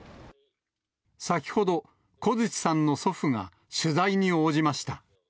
先ほど、コヅチさんの祖父が、取材に応じました。